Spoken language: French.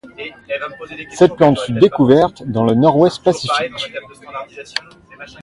Cette plante fut découverte dans le Nord-Ouest Pacifique.